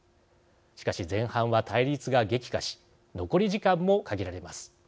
しかし、前半は対立が激化し残り時間も限られます。